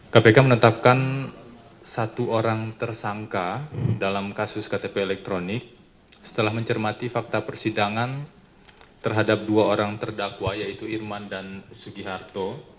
kpk menetapkan satu orang tersangka dalam kasus ktp elektronik setelah mencermati fakta persidangan terhadap dua orang terdakwa yaitu irman dan sugiharto